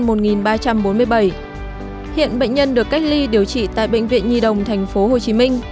hiện bệnh nhân được cách ly điều trị tại bệnh viện nhi đồng tp hcm